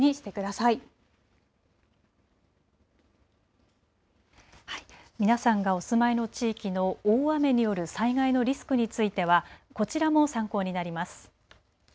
はい、皆さんがお住まいの地域の大雨による災害のリスクについてはこちらも参考になります。